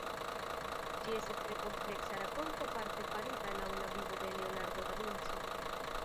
Ĝi estas tre kompleksa rakonto parte farita laŭ la vivo de Leonardo da Vinci.